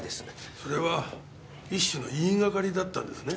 それは一種の言いがかりだったんですね？